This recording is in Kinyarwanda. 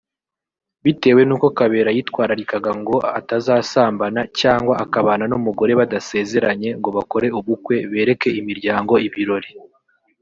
Bitewe n’uko Kabera yitwararikaga ngo atazasambana cyangwa akabana n’umugore badasezeranye ngo bakore ubukwe bereke imiryango ibirori